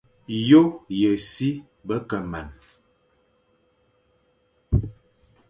Yô ye si be ke man,